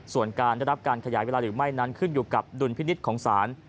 ส่วนการได้รับการขยายเวลาหรือไม่นั้นขึ้นอยู่กับดุลพินิษฐ์ของศาล